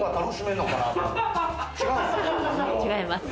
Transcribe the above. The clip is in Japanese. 違います。